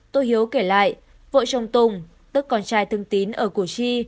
tổ hiếu kể lại vội trông tùng tức con trai thương tín ở củ chi